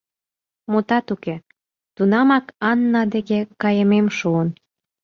Мутат уке, тунамак Анна деке кайымем шуын.